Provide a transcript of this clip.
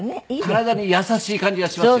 体に優しい感じがしますよ。